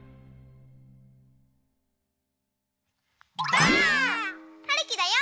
ばあっ！はるきだよ